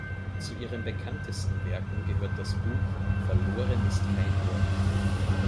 Zu ihren bekanntesten Werken gehört das Buch "Verloren ist kein Wort.